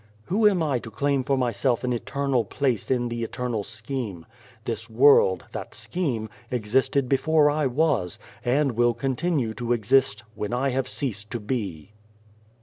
" Who am I to claim for myself an eternal place in the eternal scheme ? This world, that scheme, existed before I was, and will continue to exist when I have ceased to be."